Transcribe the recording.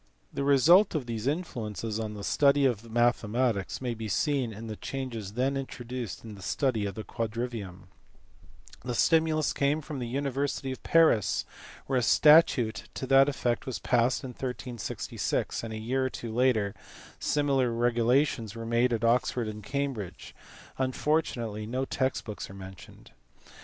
The result of these influences on the study of mathematics may be seen in the changes then introduced in the study of the quadrivium* The stimulus came from the university of Paris, where a statute to that effect was passed in 1366, and a year or two later similar regulations were made at Oxford and Cambridge ; unfortunately no text books are mentioned.